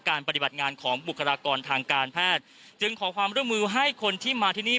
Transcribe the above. ปฏิบัติงานของบุคลากรทางการแพทย์จึงขอความร่วมมือให้คนที่มาที่นี่